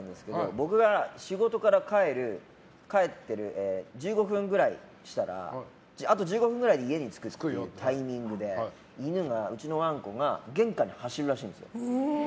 僕が仕事から帰ってるあと１５分くらいで家に着くよというタイミングで、うちのワンコが玄関に走るらしいんですよ。